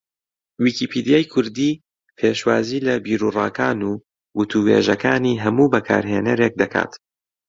ویکیپیدیای کوردی پێشوازی لە بیروڕاکان و وتووێژەکانی ھەموو بەکارھێنەرێک دەکات